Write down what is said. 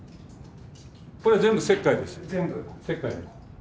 これ全部石灰です。